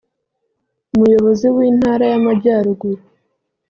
umuyobozi w’Intara y’Amajyaruguru